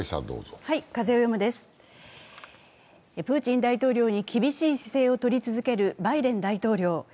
プーチン大統領に厳しい姿勢をとり続けるバイデン大統領。